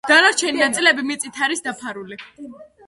დანარჩენი ნაწილები მიწით არის დაფარული.